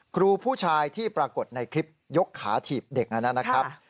ครูผู้ชายที่ปรากฏในคลิปยกขาถีบเด็กนะครับ